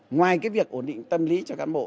ngoài cái việc ổn định tâm lý cho cán bộ